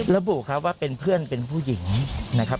ระบุครับว่าเป็นเพื่อนเป็นผู้หญิงนะครับ